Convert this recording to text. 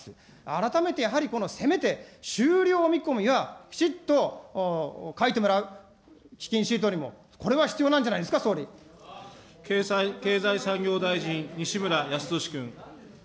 改めてやはりこのせめて、終了見込みはきちっと書いてもらう、基金シートにも、これは必要なんじ経済産業大臣、西村康稔君。